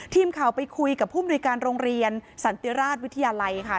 ทีมข่าวไปคุยกับผู้มนุยการโรงเรียนสันติราชวิทยาลัยค่ะ